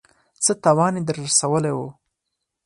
څه تاوان يې در رسولی و.